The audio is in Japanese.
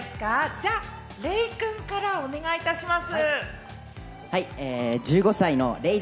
じゃあＲａｙ君からお願いいたします。